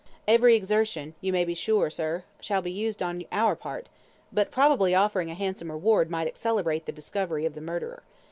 "Every exertion, you may be sure, sir, shall be used on our part; but probably offering a handsome reward might accelerate the discovery of the murderer.